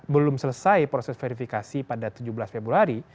belum selesai proses verifikasi pada tujuh belas februari